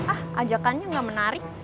ah ajakannya gak menarik